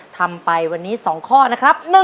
ทำไปวันนี้๒ข้อนะครับ